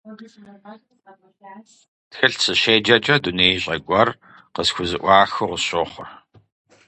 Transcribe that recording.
Тхылъ сыщеджэкӀэ, дунеищӀэ гуэр къысхузэӀуахыу къысщохъур.